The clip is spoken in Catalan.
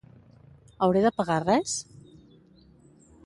Hauré de pagar res?